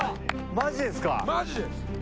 マジです！